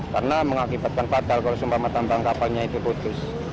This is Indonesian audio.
karena mengakibatkan fatal kalau sumpah tambang kapalnya itu putus